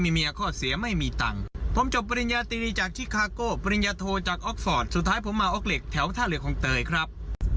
มีเมียข้อเสียไม่มีตังค์ผมจบปริญญาตรีจากชิคาโก้ปริญญาโทจากออกฟอร์ตสุดท้ายผมมาออกเหล็กแถวท่าเรือของเตยครับ